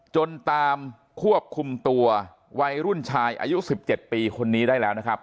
จนตามควบคุมตัววัยรุ่นชายอายุ๑๗ปีคนนี้ได้แล้วนะครับ